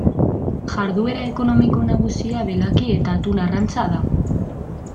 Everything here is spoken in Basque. Jarduera ekonomiko nagusia belaki eta atun arrantza da.